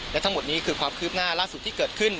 และทั้งหมดนี้คือความคืบหน้าล่าสุดที่เกิดขึ้น